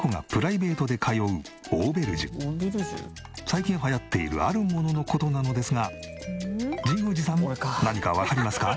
最近流行っているあるものの事なのですが神宮寺さん何かわかりますか？